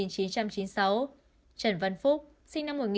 trần văn phúc sinh năm một nghìn chín trăm tám mươi